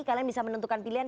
kalian bisa menentukan pilihan